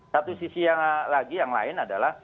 satu sisi yang lagi yang lain adalah